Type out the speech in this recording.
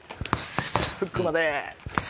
フックまで。